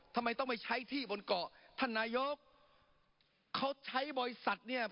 ทำไมต้องไปใช้ที่บนเกาะท่านนายกเขาใช้บริษัทเนี่ย